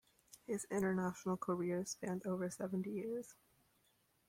His international career spanned over seventy years.